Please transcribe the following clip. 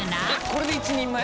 これで１人前？